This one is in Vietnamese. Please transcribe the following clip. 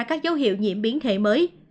các dấu hiệu nhiễm biến thể mới